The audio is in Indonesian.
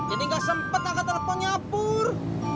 jadi gak sempet angkat teleponnya pur